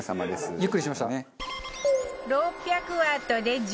ゆっくりしました。